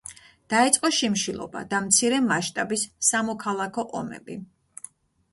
დაიწყო შიმშილობა და მცირე მასშტაბის სამოქალაქო ომები.